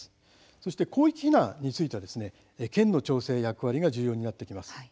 そして、広域避難について県の調整役割が重要になってきます。